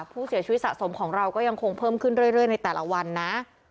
ผู้เสียชีวิตสะสมของเราก็ยังคงเพิ่มขึ้นเรื่อยในแต่ละวันนะ